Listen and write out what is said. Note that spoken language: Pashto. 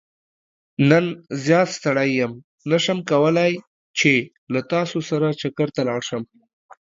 نن زيات ستړى يم نه شم کولاي چې له تاسو سره چکرته لاړ شم.